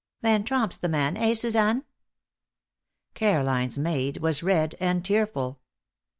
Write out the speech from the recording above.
Van Tromp's the man, eh, Suzanne?" Caroline's maid was red and tearful.